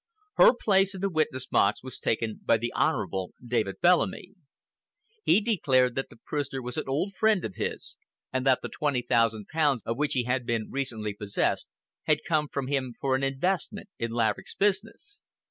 Her place in the witness box was taken by the Honorable David Bellamy. He declared that the prisoner was an old friend of his, and that the twenty thousand pounds of which he had been recently possessed, had come from him for investment in Laverick's business.